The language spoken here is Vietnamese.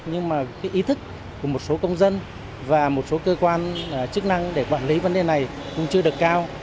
nhưng mà cái ý thức của một số công dân và một số cơ quan chức năng để quản lý vấn đề này cũng chưa được cao